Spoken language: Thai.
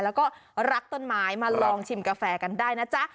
แล้วก็รักต้นไม้มาลองชิมกาแฟกันได้นะจ๊ะ